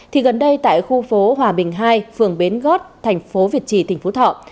thì gần đây tại khu phố hòa bình hai phường bến gót thành phố việt trì tỉnh phú thọ